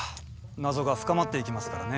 謎が深まっていきますからね。